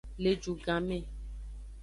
Le ju gan me.